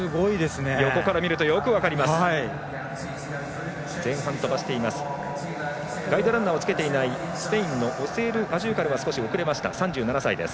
横から見るとよく分かります。